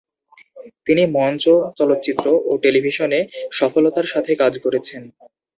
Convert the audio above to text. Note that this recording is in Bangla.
তিনি মঞ্চ, চলচ্চিত্র ও টেলিভিশনে সফলতার সাথে কাজ করেছেন।